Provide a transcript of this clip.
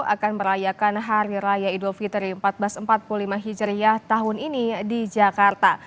akan merayakan hari raya idul fitri seribu empat ratus empat puluh lima hijriah tahun ini di jakarta